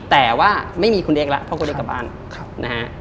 แต่ว่าไม่มีคุณเอ็กซ์ละเพราะคุณเอ็กซ์กลับบ้าน